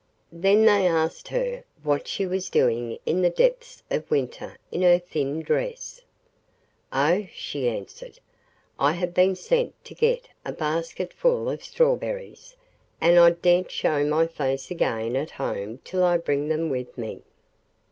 Then they asked her what she was doing in the depths of winter in her thin dress. 'Oh,' she answered, 'I have been sent to get a basketful of strawberries, and I daren't show my face again at home till I bring them with me.